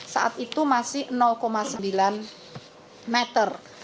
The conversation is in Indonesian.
saat itu masih sembilan meter